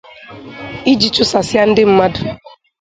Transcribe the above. iji chụsasịa ndị mmadụ